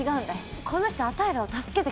この人あたいらを助けてくれてよ。